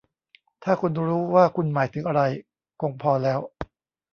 ถ้าคุณรู้ว่าคุณหมายถึงอะไร คงพอแล้ว